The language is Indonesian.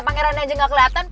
pangeran aja gak keliatan